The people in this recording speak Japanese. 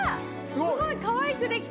すごい。